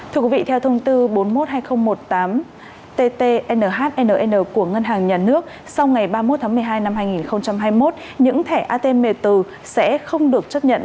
thưa quý vị theo thông tư bốn mươi một hai nghìn một mươi tám tt nhn của ngân hàng nhà nước sau ngày ba mươi một tháng một mươi hai năm hai nghìn hai mươi một những thẻ atm từ sẽ không được chấp nhận